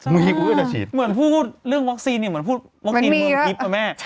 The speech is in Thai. เหมือนพูดเรื่องวัคซีนเนี่ยเหมือนพูดวัคซีนเมืองทิพย์นะแม่